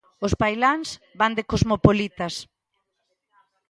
Os pailáns van de cosmopolitas.